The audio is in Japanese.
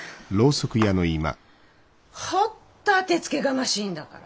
ほっと当てつけがましいんだから。